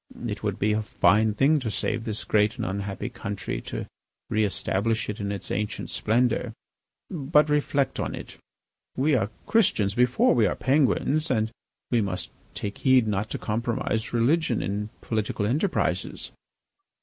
It would be a fine thing to save this great and unhappy country, to re establish it in its ancient splendour. But reflect on it, we are Christians before we are Penguins. And we must take heed not to compromise religion in political enterprises."